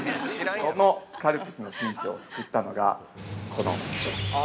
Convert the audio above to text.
◆そのカルピスのピンチを救ったのが、この商品です。